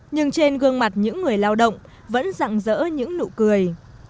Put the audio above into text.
nhưng trên gương mặt những người lao động vẫn rặng rỡ những nụ cười